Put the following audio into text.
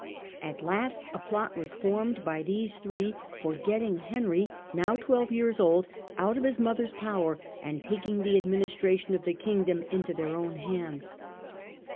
At last a plot was formed by these three for getting Henry, now twelve years old, out of his mother's power, and taking the administration of the kingdom into their own hands.